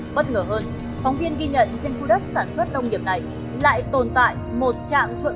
bất ngờ hơn phóng viên ghi nhận trên khu đất sản xuất nông nghiệp này lại tồn tại một trạm trộn